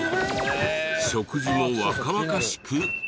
食事も若々しく揚げ物。